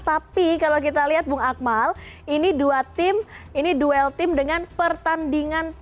tapi kalau kita lihat bung akmal ini dua tim ini duel tim dengan pertandingan